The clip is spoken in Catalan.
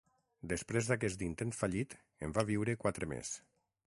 Després d'aquest intent fallit en va viure quatre més.